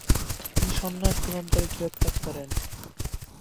তিনি সন্ন্যাস গ্রহণ করে গৃহত্যাগ করেন।